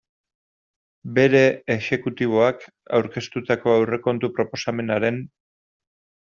Bere exekutiboak aurkeztutako aurrekontu proposamenaren.